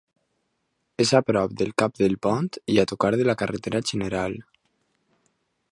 És a prop del cap del pont i a tocar de la carretera general.